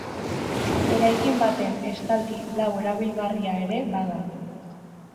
Eraikin baten estalki lau erabilgarria ere bada.